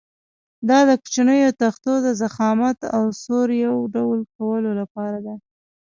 دا د کوچنیو تختو د ضخامت او سور یو ډول کولو لپاره ده.